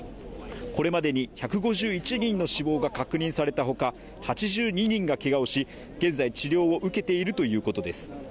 これまでに１５１人の死亡が確認されたほか８２人がけがをし、現在、治療を受けているということです。